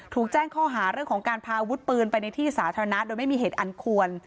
ถูกแจ้งข้อหาเรื่องของการพาอาวุธปืนไปในที่สาธารณะโดยไม่มีเหตุอันควร